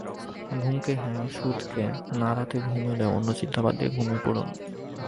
ঘুমকে হ্যাঁ ওষুধকে নারাতে ঘুম এলে অন্য চিন্তা বাদ দিয়ে ঘুমিয়ে পড়ুন।